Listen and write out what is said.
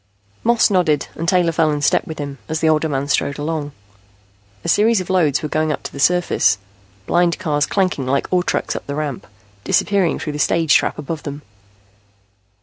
Moss nodded and Taylor fell in step with him, as the older man strode along. A series of loads were going up to the surface, blind cars clanking like ore trucks up the ramp, disappearing through the stage trap above them.